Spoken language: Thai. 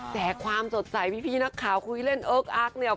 แต่ความสดใสพี่นักข่าวคุยเล่นเอิ๊กอักเนี่ย